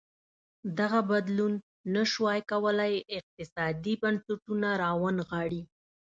دغه بدلون نه ش وای کولی اقتصادي بنسټونه راونغاړي.